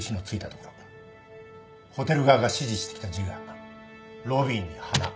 ホテル側が指示してきた字がロビーに「花」